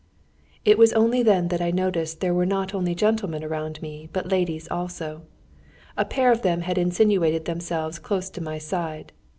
It was only then that I noticed that there were not only gentlemen around me but ladies also. A pair of them had insinuated themselves close to my side.